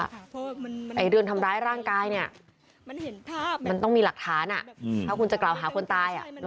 เรื่องทำร้ายร่างกายเนี่ยมันต้องมีหลักฐานถ้าคุณจะกล่าวหาคนตาย